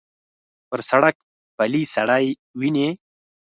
پر سړک پلی سړی وینې.